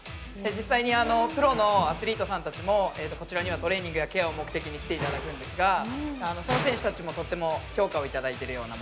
実際にプロのアスリートさんたちもこちらにはトレーニングやケアを目的に来ていただくんですが、その選手たちからもとっても評価をいただいています。